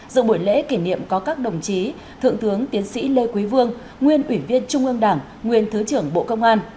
dự buổi lễ kỷ niệm có các đồng chí thượng tướng tiến sĩ lê quý vương nguyên ủy viên trung ương đảng nguyên thứ trưởng bộ công an